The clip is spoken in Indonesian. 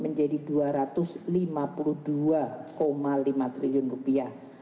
menjadi rp dua ratus lima puluh dua lima juta